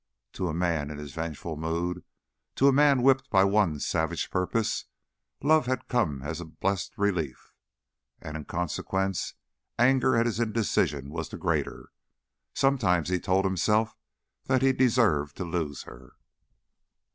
To a man in his vengeful mood, to a man whipped by one savage purpose, love had come as a blessed relief; and, in consequence, anger at his indecision was the greater. Sometimes he told himself that he deserved to lose her.